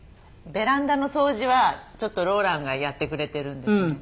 ベランダの掃除はちょっとローランがやってくれているんですね。